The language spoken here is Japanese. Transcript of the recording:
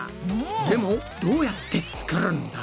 でもどうやって作るんだ？